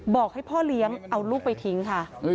บอกให้พ่อเลี้ยงเอาลูกไปทิ้งค่ะ